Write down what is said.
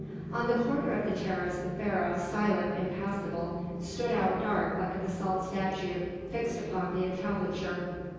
On the corner of the terrace the Pharaoh, silent, impassible, stood out dark like a basalt statue fixed upon the entablature.